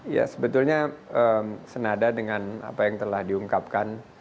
ya sebetulnya senada dengan apa yang telah diungkapkan